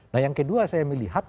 nah yang kedua saya melihat